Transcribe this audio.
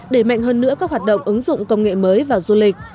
để mạnh hơn nữa các hoạt động ứng dụng công nghệ mới vào du lịch